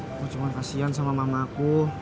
aku cuma kasian sama mamah aku